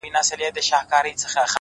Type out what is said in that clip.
ستا څخه ډېر تنگ.!